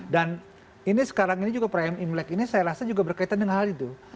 dan ini sekarang ini juga pm imlek ini saya rasa juga berkaitan dengan hal itu